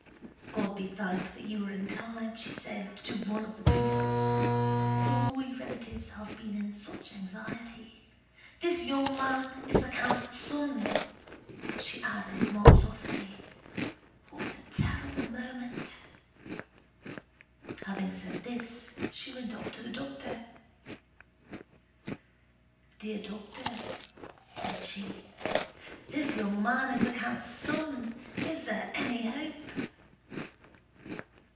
"God be thanked that you are in time," said she to one of the priests; "all we relatives have been in such anxiety. This young man is the count's son," she added more softly. "What a terrible moment!" Having said this she went up to the doctor. "Dear doctor," said she, "this young man is the count's son. Is there any hope?"